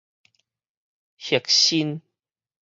肉身